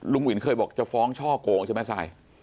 วินเคยบอกจะฟ้องช่อโกงใช่ไหมทราย